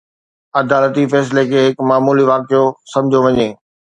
عدالتي فيصلي کي هڪ معمولي واقعو سمجهيو وڃي.